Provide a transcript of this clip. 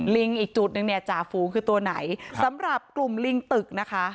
อีกจุดนึงเนี่ยจ่าฝูงคือตัวไหนสำหรับกลุ่มลิงตึกนะคะ